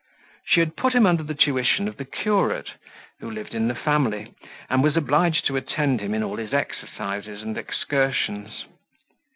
She had put him under the tuition of the curate, who lived in the family, and was obliged to attend him in all his exercises and excursions.